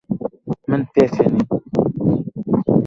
من پێکەنیم.